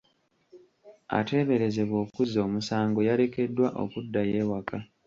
Ateeberezebwa okuzza omusango yalekeddwa okuddayo ewaka.